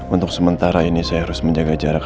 untuk sementara ini saya harus menjaga jarak